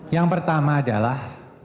yang pertama adalah